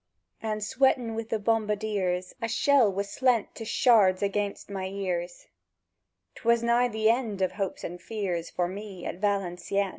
And, sweatèn wi' the bombardiers, A shell was slent to shards anighst my ears: —'Twas nigh the end of hopes and fears For me at Valencieën!